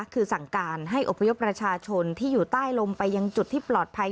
คือสั่งการให้อพยพประชาชนที่อยู่ใต้ลมไปยังจุดที่ปลอดภัย